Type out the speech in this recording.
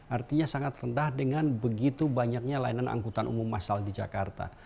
artinya sangat rendah dengan begitu banyaknya layanan angkutan umum masal di jakarta